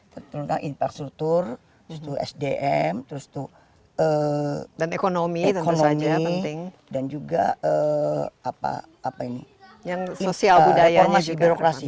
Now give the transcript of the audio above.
tentu tentang infrastruktur sdm ekonomi dan juga reformasi birokrasi